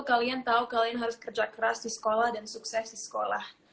kalian tahu kalian harus kerja keras di sekolah dan sukses di sekolah